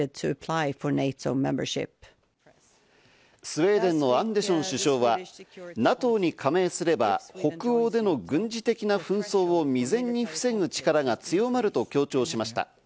スウェーデンのアンデション首相はＮＡＴＯに加盟すれば北欧での軍事的な紛争を未然に防ぐ力が強まると強調しました。